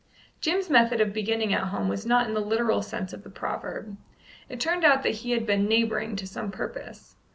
Jim's method of beginning at home was not in the literal sense of the proverb. It turned out that he had been neighbouring to some purpose.